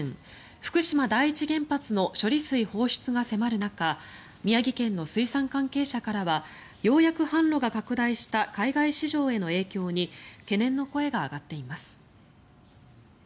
福島第一原発の処理水放出が迫る中宮城県の水産関係者からはようやく販路が拡大した海外市場への影響に懸念の声が上がっています。